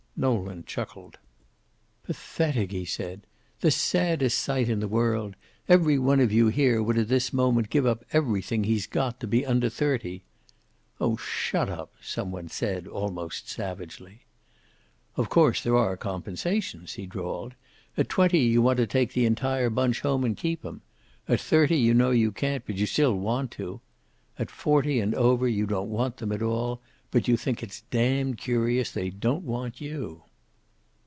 Nolan chuckled. "Pathetic!" he said. "The saddest sight in the world! Every one of you here would at this moment give up everything he's got to be under thirty." "Oh, shut up!" some one said, almost savagely. "Of course, there are compensations," he drawled. "At twenty you want to take the entire bunch home and keep 'em. At thirty you know you can't, but you still want to. At forty and over you don't want them at all, but you think it's damned curious they don't want you."